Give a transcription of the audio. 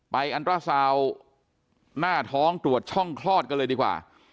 อันตราซาวหน้าท้องตรวจช่องคลอดกันเลยดีกว่า